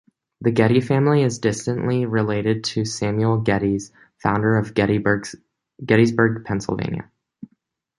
The Getty family is distantly related to Samuel Gettys, founder of Gettysburg, Pennsylvania.